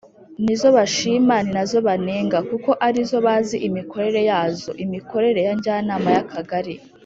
nizo bashima ni nazo banenga kuko arizo bazi imikorere yazo Imikorere ya njyanama y akagari